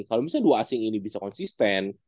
kalau misalnya dua asing ini bisa konsisten